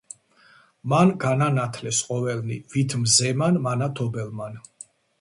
,მან განანათლნეს ყოველნი, ვით მზემან მანათობელმან.